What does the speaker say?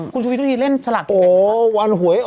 คุณชวิตวรีเลยเล่นฉลากแก่เนื้อ